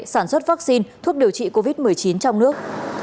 sản xuất vaccine thuốc điều trị covid một mươi chín trong nước